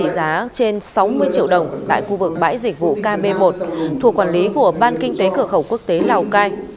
giá trên sáu mươi triệu đồng tại khu vực bãi dịch vụ kb một thuộc quản lý của ban kinh tế cửa khẩu quốc tế lào cai